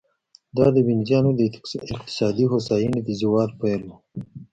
دا د وینزیانو د اقتصادي هوساینې د زوال پیل و.